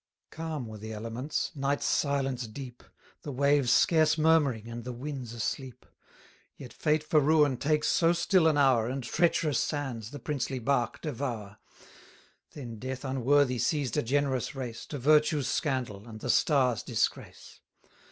1080 Calm were the elements, night's silence deep, The waves scarce murmuring, and the winds asleep; Yet fate for ruin takes so still an hour, And treacherous sands the princely bark devour; Then death unworthy seized a generous race, To virtue's scandal, and the stars' disgrace!